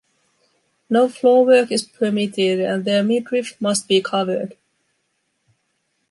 No floor work is permitted, and their midriff must be covered.